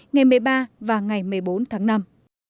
ngày một mươi ba và ngày một mươi bốn tháng năm